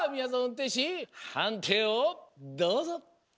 運転士はんていをどうぞ。